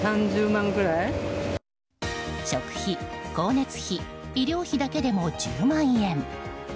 食費、光熱費、医療費だけでも１０万円。